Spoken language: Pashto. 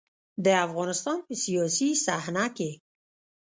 د افغانستان په سياسي صحنه کې.